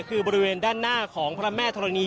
คือบริเวณด้านหน้าของพระแม่ธรณี